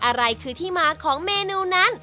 อะไรคือที่มาของเมนูนั้น